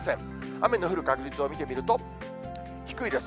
雨の降る確率を見てみると、低いです。